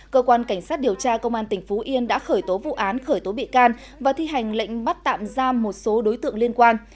cơ quan cảnh sát điều tra công an tỉnh phú yên đã khởi tố vụ án khởi tố bị can và thi hành lệnh bắt tạm giam một số đối tượng liên quan